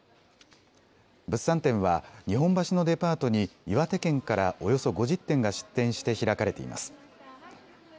物産展は日本橋のデパートに岩手県からおよそ５０店が出展して開かれています。